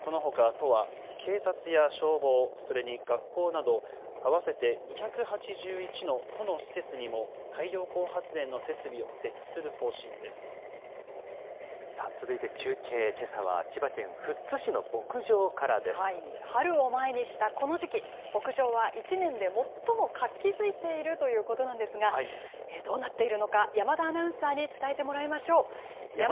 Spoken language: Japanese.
このほか、都は警察や消防、それに学校など、合わせて２８１の都の施設にも太陽光発電の設備を設置する方針で続いて中継、けさは千葉県富春を前にしたこの時期、牧場は１年で最も活気づいているということなんですが、どうなっているのか、山田アナウンサーに伝えてもらいましょう。